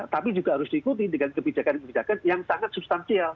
tapi juga harus diikuti dengan kebijakan kebijakan yang sangat substansial